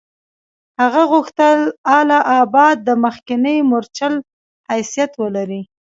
هغه غوښتل اله آباد د مخکني مورچل حیثیت ولري.